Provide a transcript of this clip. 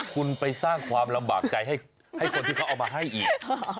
คุณไปสร้างความลำบากใจให้คนที่เขาเอามาให้อีก